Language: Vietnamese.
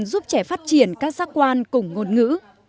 giúp trẻ phát triển các giác quan cùng ngôn ngữ